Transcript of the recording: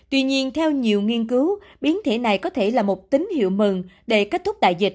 tuy nhiên theo nhiều nghiên cứu biến thể này có thể là một tín hiệu mừng để kết thúc đại dịch